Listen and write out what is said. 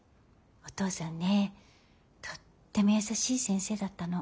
お父さんねとっても優しい先生だったの。